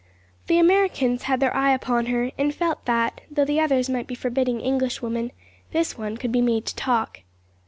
The Americans had their eye upon her, and felt that, though the others might be forbidding English women, this one could be made to talk.